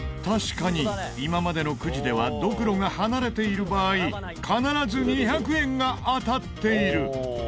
確かに今までのくじではドクロが離れている場合必ず２００円が当たっている。